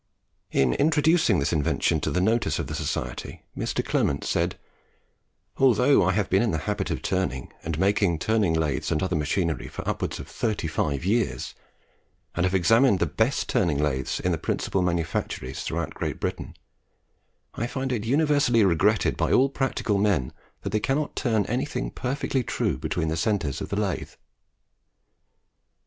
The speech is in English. In introducing this invention to the notice of the Society, Mr. Clement said, "Although I have been in the habit of turning and making turning lathes and other machinery for upwards of thirty five years, and have examined the best turning lathes in the principal manufactories throughout Great Britain, I find it universally regretted by all practical men that they cannot turn anything perfectly true between the centres of the lathe."